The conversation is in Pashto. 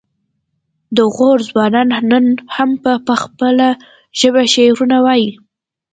د غور ځوانان نن هم په خپله ژبه شعرونه وايي